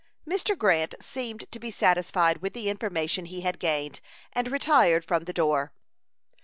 Mr. Grant seemed to be satisfied with the information he had gained, and retired from the door.